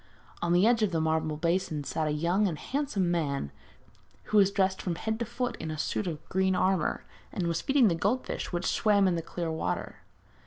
On the edge of a marble basin sat a young and handsome man, who was dressed from head to foot in a suit of green armour, and was feeding the goldfish which swam in the clear water.